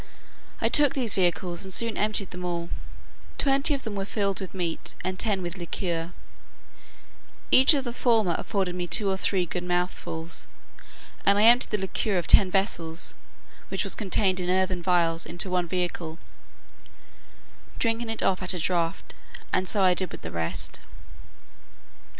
I took these vehicles and soon emptied them all; twenty of them were filled with meat, and ten with liquor; each of the former afforded me two or three good mouthfuls; and I emptied the liquor of ten vessels, which was contained in earthen vials, into one vehicle, drinking it off at a draught; and so I did with the rest.